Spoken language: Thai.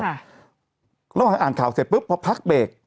ระหว่างอ่านข่าวเสร็จปุ๊บพอพักเบรก